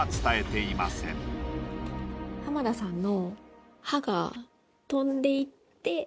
浜田さんの。